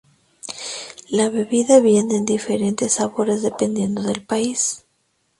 La bebida viene en diferentes sabores, dependiendo del país.